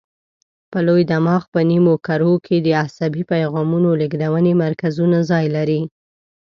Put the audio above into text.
په لوی دماغ په نیمو کرو کې د عصبي پیغامونو لېږدونې مرکزونه ځای لري.